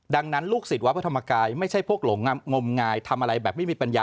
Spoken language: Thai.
ดังนั้นลูกศิษย์วัดพระธรรมกายไม่ใช่พวกหลงงมงายทำอะไรแบบไม่มีปัญญา